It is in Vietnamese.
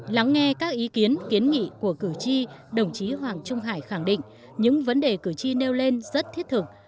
lắng nghe các ý kiến kiến nghị của cử tri đồng chí hoàng trung hải khẳng định những vấn đề cử tri nêu lên rất thiết thực